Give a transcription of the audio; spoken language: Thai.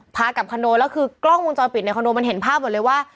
พากับคอนโดแล้วคือกล้องวงจรปิดในคอนโดมันเห็นภาพหมดเลยว่า